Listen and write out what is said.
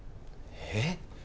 えっ？